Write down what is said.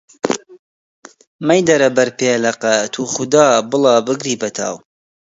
مەیدەرە بەر پێلەقە، توخودا، بڵا بگری بە تاو!